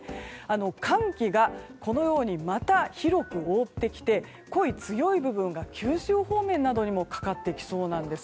寒気がまた広く覆ってきて濃い強い部分が九州方面などにもかかってきそうです。